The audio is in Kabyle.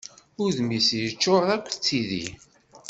Udem-is yeččur akk d tidi.